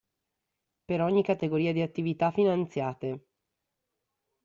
Per ogni categoria di attività finanziate.